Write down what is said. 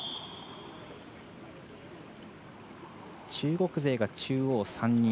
中国勢が中央３人。